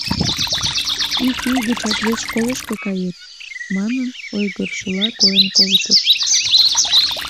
Ик ий гычак вес школышко кает, — манын, ойгырышыла койын колтыш.